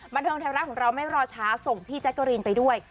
บันเทิงไทยรัฐของเราไม่รอช้าส่งพี่แจ๊กกะรีนไปด้วย